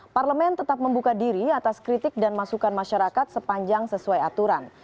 parlemen tetap membuka diri atas kritik dan masukan masyarakat sepanjang sesuai aturan